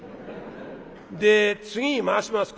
で次回しますか？」。